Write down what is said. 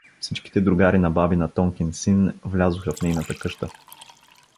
Всичките другари на бабина Тонкин син влязоха в нейната къща.